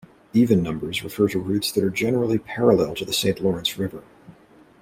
Even numbers refer to routes that are generally parallel to the Saint Lawrence River.